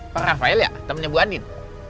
pak rafael ya temennya bu anin